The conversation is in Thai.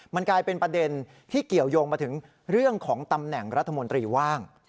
มันกลายเป็นประเด็นที่เกี่ยวยงมาถึงเรื่องของตำแหน่งรัฐมนตรีว่าง